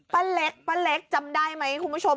ป้าเล็กจำได้ไหมคุณผู้ชม